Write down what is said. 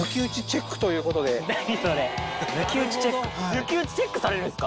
抜き打ちチェックされるんですか？